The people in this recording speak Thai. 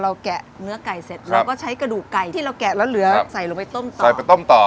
พอเราแกะเนื้อไก่เสร็จเราก็ใช้กระดูกไก่ที่เราแกะแล้วเหลือใส่ลงไปต้มต่อ